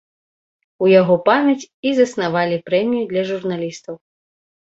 У яго памяць і заснавалі прэмію для журналістаў.